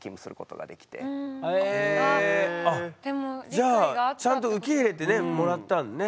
じゃあちゃんと受け入れてもらったのね。